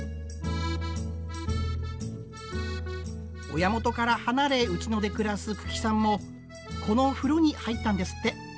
親元から離れ内野で暮らす九鬼さんもこの風呂に入ったんですって。